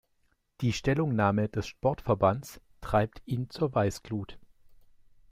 Die Stellungnahme des Sportverbands treibt ihn zur Weißglut.